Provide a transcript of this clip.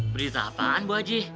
berita apaan bu haji